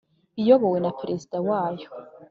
iyobowe na perezida wayo